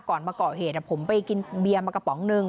ก่อนมาเกาะเหตุผมไปกินเบียนมะกะป๋องหนึ่ง